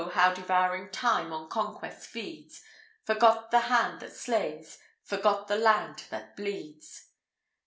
how devouring Time on conquest feeds; Forgot the hand that slays, forgot the land that bleeds.